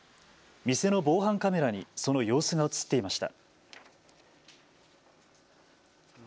店の防犯カメラにその様子が映っていました。